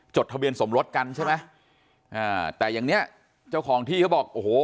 ทะเบียนสมรสกันใช่ไหมอ่าแต่อย่างเนี้ยเจ้าของที่เขาบอกโอ้โห